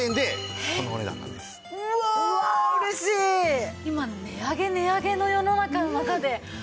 今値上げ値上げの世の中の中でこの価格は。